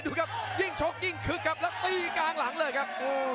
ดูครับยิ่งชกยิ่งคึกครับแล้วตีกลางหลังเลยครับ